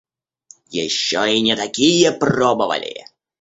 Еще и не такие пробовали.